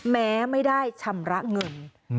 แม้ไม่ได้ชำระเงิน